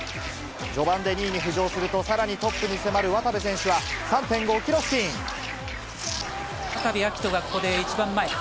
序盤で２位に浮上すると、さらにトップに迫る渡部選手は、３．５渡部暁斗がここで一番前。